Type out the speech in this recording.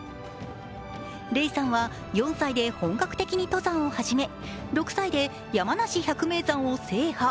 嶺さんは４歳で本格的に登山を始め６歳で山梨百名山を制覇。